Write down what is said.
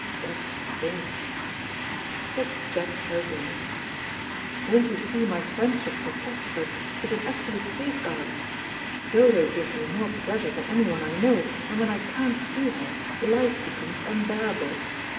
Just think " But Jack broke in, "Don't you see my friendship for Chesterford is an absolute safeguard. Dodo gives me more pleasure than anyone I know, and when I can't see her, life becomes unbearable.